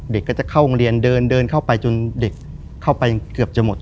เด็กก็จะเข้าโรงเรียนเดินเดินเข้าไปจนเด็กเข้าไปเกือบจะหมด